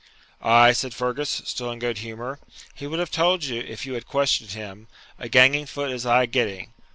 'Ay,' said Fergus, still in good humour, 'he would have told you, if you had questioned him, "a ganging foot is aye getting."